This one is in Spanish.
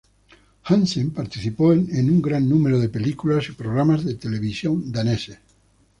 Hansen participó en un gran número de películas y programas de televisión daneses.